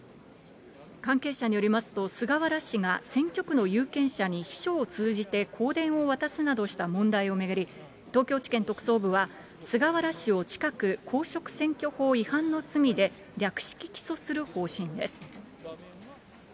関係者によりますと、菅原氏が選挙区の有権者に秘書を通じて香典を渡すなどした問題を巡り、東京地検特捜部は、菅原氏を近く公職選挙法違反の罪で略式起訴する方針です。